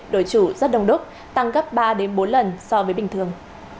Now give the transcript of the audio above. đổi chủ rất đông đúc tăng gấp ba bốn lần so với bình thường